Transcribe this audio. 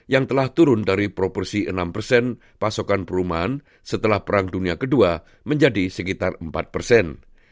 yang telah turun dari proporsi enam persen pasokan perumahan setelah perang dunia ii menjadi sekitar empat persen